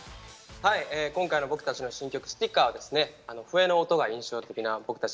今回の僕たちの新曲「Ｓｔｉｃｋｅｒ」は笛の音が印象的な僕たち